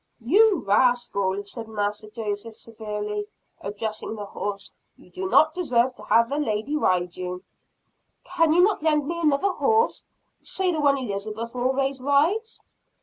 "You rascal!" said Master Joseph severely, addressing the horse. "You do not deserve to have a lady ride you." "Can you not lend me another horse say the one Elizabeth always rides?"